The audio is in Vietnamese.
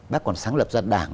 bác còn sáng lập ra đảng